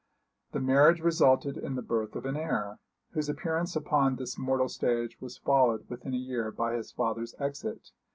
The marriage resulted in the birth of an heir, whose appearance upon this mortal stage was followed within a year by his father's exit.